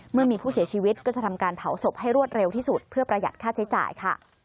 เมื่อมีผู้เสียชีวิตก็จะทำการเผาศพให้รวดเร็วที่สุดเพื่อประหยัดค่าใช้จ่ายค่ะ